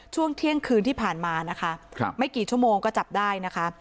ช่วงเที่ยงคืนที่ผ่านมานะคะไม่กี่ชั่วโมงก็จับได้นะคะ